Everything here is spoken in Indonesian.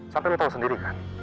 sampai lo tau sendiri kan